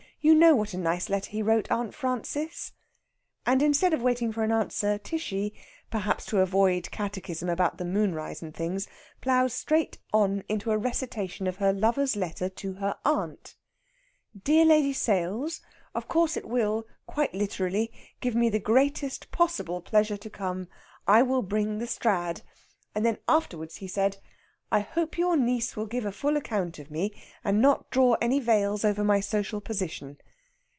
You know what a nice letter he wrote Aunt Frances?" And instead of waiting for an answer, Tishy, perhaps to avoid catechism about the moonrise and things, ploughs straight on into a recitation of her lover's letter to her aunt: "Dear Lady Sales Of course it will (quite literally) give me the greatest possible pleasure to come. I will bring the Strad"; and then afterwards he said: "I hope your niece will give a full account of me, and not draw any veils over my social position.